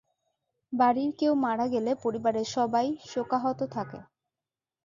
বাড়ির কেউ মারা গেলে পরিবারের সাবই শোকাহত থাকে।